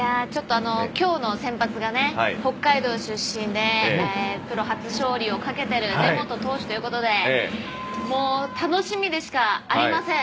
今日の先発が北海道出身でプロ初勝利をかけてる根本投手ということでもう楽しみでしかありません。